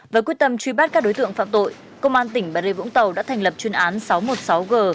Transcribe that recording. với quyết tâm truy bắt các đối tượng phạm tội công an tỉnh bà rê vũng tàu đã thành lập chuyên án sáu trăm một mươi sáu g